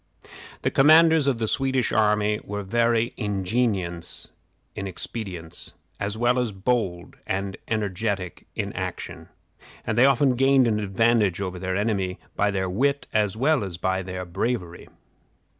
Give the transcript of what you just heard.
The commanders of the Swedish army were very ingenious in expedients, as well as bold and energetic in action, and they often gained an advantage over their enemy by their wit as well as by their bravery.